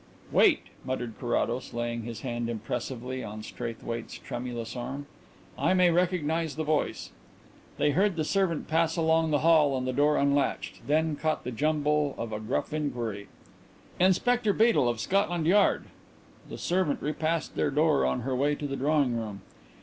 "Wait," muttered Carrados, laying his hand impressively on Straithwaite's tremulous arm. "I may recognize the voice." They heard the servant pass along the hall and the door unlatched; then caught the jumble of a gruff inquiry. "Inspector Beedel of Scotland Yard!" The servant repassed their door on her way to the drawing room.